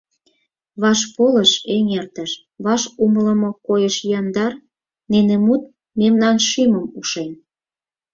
Вашполыш, эҥертыш, ваш умылымо койыш Яндар нине мут мемнан шӱмым ушен.